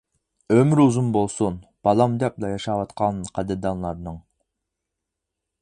ئۆمرى ئۇزۇن بولسۇن بالام دەپلا ياشاۋاتقان قەدىردانلارنىڭ.